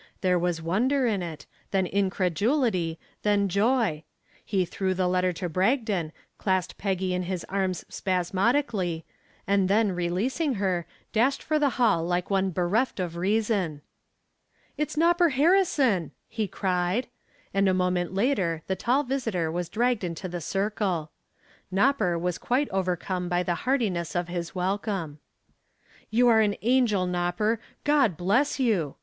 There was wonder in it, then incredulity, then joy. He threw the letter to Bragdon, clasped Peggy in his arms spasmodically, and then, releasing her, dashed for the hall like one bereft of reason. "It's Nopper Harrison!" he cried, and a moment later the tall visitor was dragged into the circle. "Nopper" was quite overcome by the heartiness of his welcome. "You are an angel, Nopper, God bless you!"